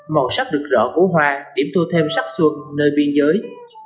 màu sắc được rõ của hoa điểm thu thêm sắc xuân nơi biên giới